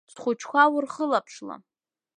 Схәыҷқәа урхылаԥшла.